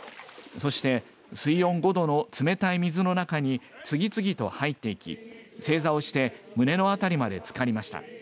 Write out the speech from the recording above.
そして水温５度の冷たい水の中に次々と入っていき正座をして胸の辺りまでつかりました。